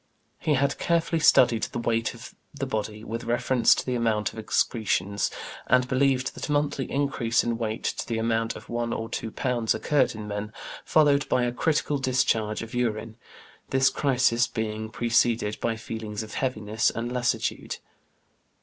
He had carefully studied the weight of the body with reference to the amount of excretions, and believed that a monthly increase in weight to the amount of one or two pounds occurred in men, followed by a critical discharge of urine, this crisis being preceded by feelings of heaviness and lassitude.